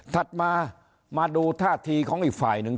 ถัดมามาดูท่าทีของอีกฝ่ายหนึ่ง